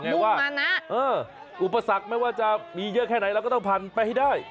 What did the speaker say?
ว่าอุปสรรคไม่ว่าจะมีเยอะแค่ไหนเราก็ต้องผ่านไปให้ได้